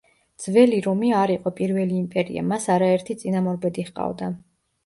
ძველი რომი არ იყო პირველი იმპერია, მას არაერთი წინამორბედი ჰყავდა.